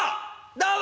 どうも。